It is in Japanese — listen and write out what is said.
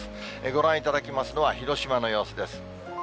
ご覧いただきますのは広島の様子です。